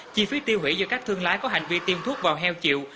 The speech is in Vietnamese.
chi phí tiêu hủy do các thương lái có hành vi tiêm thuốc vào heo chịu